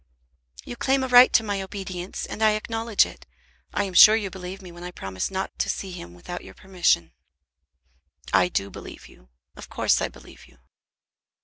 "You claim a right to my obedience, and I acknowledge it. I am sure you believe me when I promise not to see him without your permission." "I do believe you. Of course I believe you."